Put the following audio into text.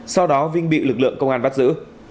sau đó vinh bị lực lượng công an bắt giữ